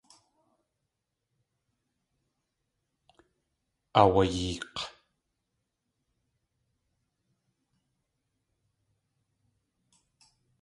Aawayeek̲.